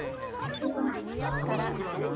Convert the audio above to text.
１５万。